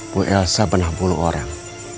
bu elsa pernah sepuluh orang